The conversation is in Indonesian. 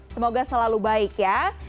semoga selalu baik ya